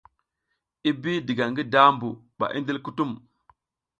I bi diga ngi dambu ɓa i ndil kutum.